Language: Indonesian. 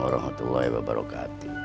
orang tua hebat barokati